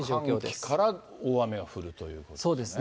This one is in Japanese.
この寒気から大雨が降るということですね。